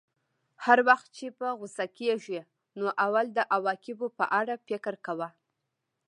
هر وخت چې په غوسه کېږې نو اول د عواقبو په اړه فکر کوه.